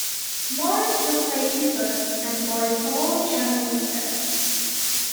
Morris would play keeper and voice all the animals there.